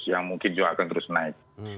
yang mungkin juga akan terus naik